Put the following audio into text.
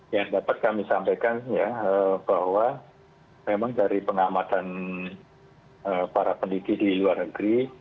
yang dapat kami sampaikan ya bahwa memang dari pengamatan para pendidik di luar negeri